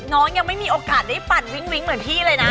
น้องยังไม่มีโอกาสได้ปั่นวิ้งเหมือนพี่เลยนะ